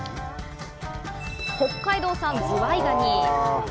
北海道産ズワイガニ。